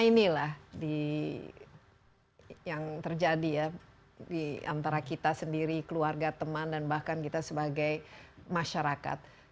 inilah yang terjadi ya di antara kita sendiri keluarga teman dan bahkan kita sebagai masyarakat